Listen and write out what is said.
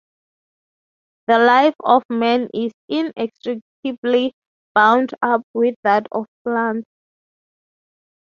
The life of man is inextricably bound up with that of plants.